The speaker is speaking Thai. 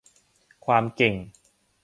ความเก่ง